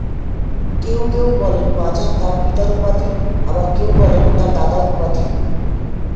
কেউ কেউ বলেন, মাজাহ তার পিতার উপাধি, আবার কেউ বলেন, তার দাদার উপাধি।